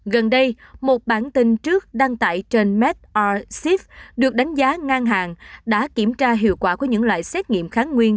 gần đây một bản tin trước đăng tải trên made orsep được đánh giá ngang hàng đã kiểm tra hiệu quả của những loại xét nghiệm kháng nguyên